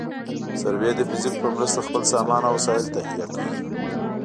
سروې د فزیک په مرسته خپل سامان او وسایل تهیه کوي